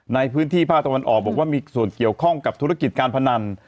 ในพื้นที่ภาคตะวันออกบอกว่ามีส่วนเกี่ยวข้องกับธุรกิจการพนัน